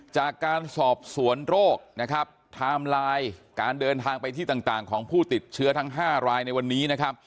จากการสอบสวนโรคทามไลน์การเดินทางไปที่ต่างของผู้ติดเชื้อทั้ง๕รายในวันนี้